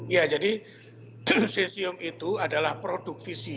ya jadi dolcesium itu adalah produk visi